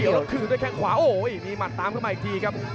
แล้วคืนด้วยแข้งขวาโอ้โหมีหมัดตามเข้ามาอีกทีครับ